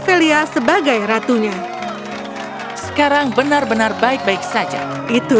ketika mereka berdua berdua berada di dalam kota